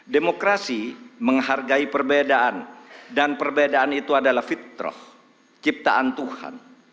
demokrasi menghargai perbedaan dan perbedaan itu adalah fitroh ciptaan tuhan